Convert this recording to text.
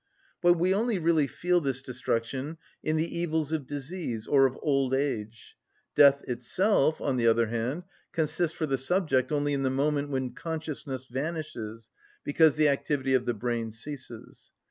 But we only really feel this destruction in the evils of disease or of old age; death itself, on the other hand, consists for the subject only in the moment when consciousness vanishes because the activity of the brain ceases.